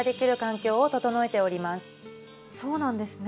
そうなんですね。